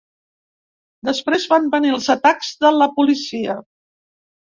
Després van venir els atacs de la policia.